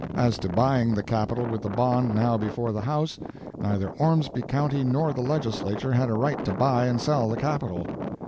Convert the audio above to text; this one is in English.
As to buying the Capital with the bond now before the House, neither Ormsby county nor the Legislature had a right to buy and sell the Capital.